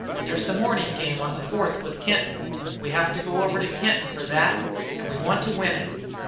There's the mornin' game on the Fourth with Kenton. We have to go over to Kenton for thet, an' we want to win it.